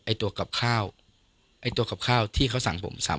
ตัวกับข้าวไอ้ตัวกับข้าวที่เขาสั่งผมซ้ำ